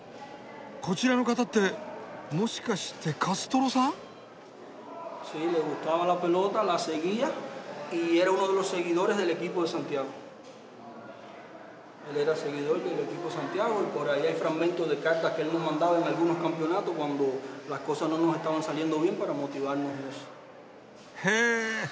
こちらの方ってもしかしてカストロさん？へ！